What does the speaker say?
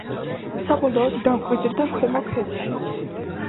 საბოლოოდ დამკვიდრდა ქვემო ქედში.